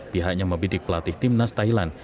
pihaknya membidik pelatih tim nas thailand